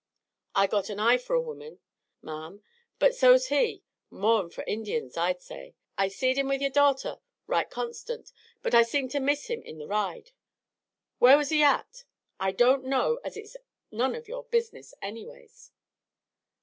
I got a eye fer a womern, ma'am, but so's he more'n fer Injuns, I'd say. I seed him with yore darter right constant, but I seemed to miss him in the ride. Whar was he at?" "I don't know as it's none of your business, anyways."